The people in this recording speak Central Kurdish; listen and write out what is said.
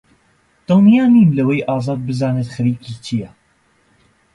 دڵنیا نیم لەوەی ئازاد بزانێت خەریکی چییە.